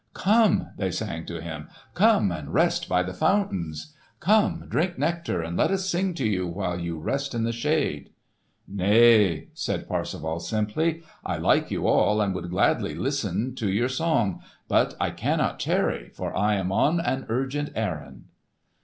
"Come!" they sang to him; "come and rest by the fountains! Come, drink nectar, and let us sing to you while you rest in the shade!" "Nay," said Parsifal, simply. "I like you all, and would gladly Listen to your song; but I cannot tarry, for I am on an urgent errand."